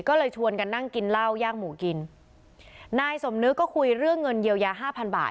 ก็เลยชวนกันนั่งกินเหล้าย่างหมูกินนายสมนึกก็คุยเรื่องเงินเยียวยาห้าพันบาท